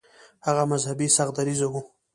هغه مذهبي سخت دریځه و.